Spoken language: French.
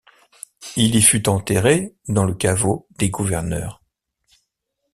Il y fut enterré dans le caveau des gouverneurs.